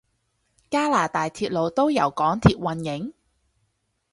加拿大鐵路都由港鐵營運？